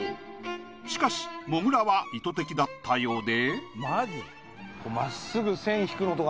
しかしもぐらは意図的だったようで。